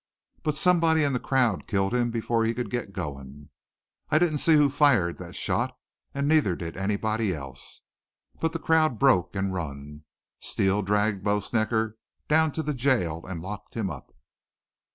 But somebody in the crowd killed him before he could get goin'. I didn't see who fired that shot, an' neither did anybody else. But the crowd broke an' run. Steele dragged Bo Snecker down to jail an' locked him up."